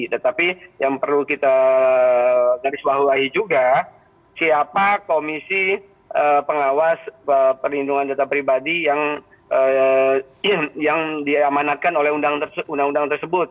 tetapi yang perlu kita garis bahulahi juga siapa komisi pengawas perlindungan data pribadi yang diamanatkan oleh undang undang tersebut